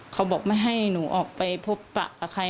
เขาบอกไม่ให้หนูออกไปพบปะกับใคร